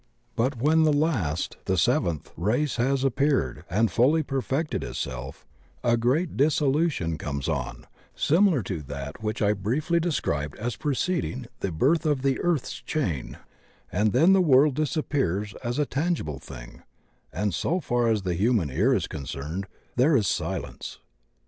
But when the last, the seventh, race has ap peared and fully perfected itself, a great dissolution comes on, similar to that which I briefly described as preceding the birth of the earth's chain, and then the world disappears as a tangible thing, and so far as the human ear is concerned there is silence.